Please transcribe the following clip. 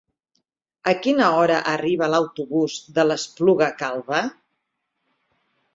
A quina hora arriba l'autobús de l'Espluga Calba?